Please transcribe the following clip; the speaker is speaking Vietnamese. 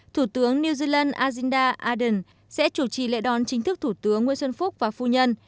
thủ tướng new zealand azilda ardern sẽ chủ trì lễ đón chính thức thủ tướng nguyễn xuân phúc và phu nhân